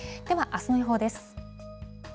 では、あすの予報です。